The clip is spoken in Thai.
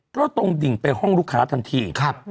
ก็ตรงดิ่งไปห้องลูกค้าทันที